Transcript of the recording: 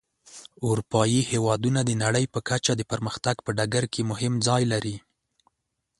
اروپایي هېوادونه د نړۍ په کچه د پرمختګ په ډګر کې مهم ځای لري.